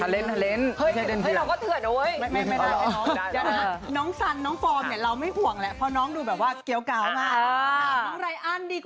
และบทเป็นตลกหรือยังไง